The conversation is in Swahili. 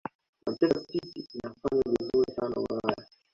manchester city inafanya vizuri sana ulaya